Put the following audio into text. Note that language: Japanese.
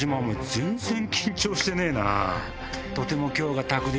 全然緊張してねえな。